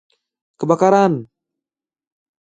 Kebakaran!